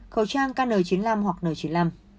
khẩu trang kn chín mươi năm hoặc n chín mươi năm